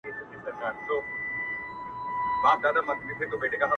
• زريني کرښي د لاهور په لمر لويده کي نسته.